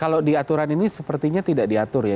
kalau di aturan ini sepertinya tidak diatur ya